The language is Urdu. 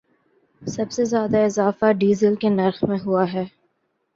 سب سے زیادہ اضافہ ڈیزل کے نرخ میں ہوا ہے